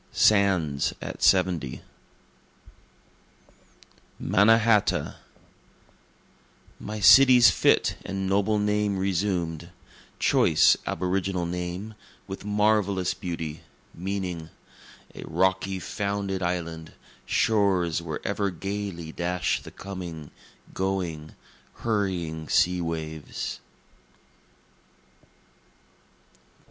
SANDS AT SEVENTY Mannahatta My city's fit and noble name resumed, Choice aboriginal name, with marvellous beauty, meaning, A rocky founded island shores where ever gayly dash the coming, going, hurrying sea waves.